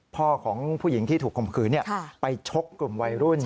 พ่อของผู้หญิงที่ถูกข่มขืนไปชกกลุ่มวัยรุ่น